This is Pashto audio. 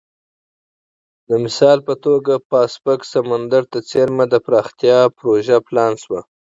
د مثال په توګه پاسفیک سمندر ته څېرمه د پراختیا پروژه پلان شوه.